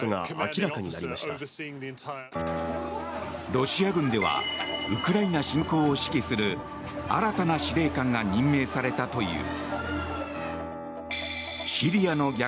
ロシア軍ではウクライナ侵攻を指揮する新たな司令官が任命されたという。